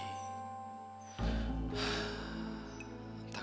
aku sudah tahu korporator